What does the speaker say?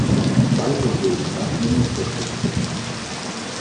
Weiter so, Herr Ministerpräsident.